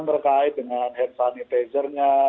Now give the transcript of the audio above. berkait dengan hand sanitizernya